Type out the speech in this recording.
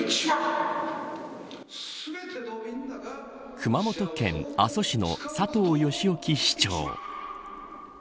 熊本県阿蘇市の佐藤義興市長。